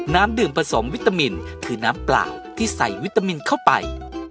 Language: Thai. น้ำดื่มผสมวิตามินคือน้ำเปล่าที่ใส่วิตามินเข้าไป